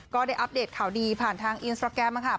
ก็ได้อัปเดตข่าวดีผ่านทางอินสตราแกรมนะครับ